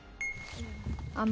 あの。